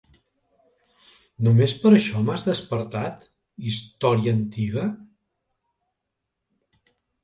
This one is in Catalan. Només per a això m'has despertat, història antiga?